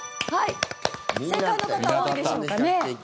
正解の方、多いでしょうかね。